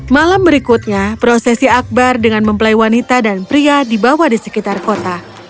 malam berikutnya prosesi akbar dengan mempelai wanita dan pria dibawa di sekitar kota